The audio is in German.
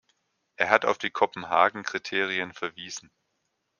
Er hat auf die Kopenhagen-Kriterien verwiesen.